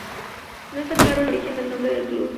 No está claro el origen del nombre del club.